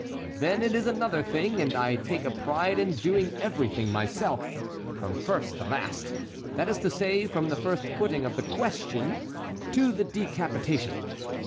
then it is another thing, and I take a pride in doing everything myself, from first to last,—that is to say, from the first putting of the question, to the decapitation."